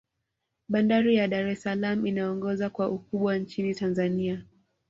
bandari ya dar es salaam inaongoza kwa ukumbwa nchini tanzania